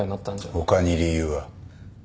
他に理由は。